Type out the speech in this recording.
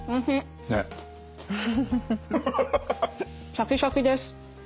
シャキシャキです。